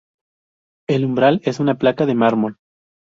El umbral es en placa de mármol.